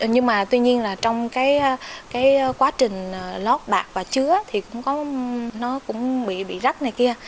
nhưng mà tuy nhiên trong quá trình lót bạc và chứa thì nó cũng bị rắc này kia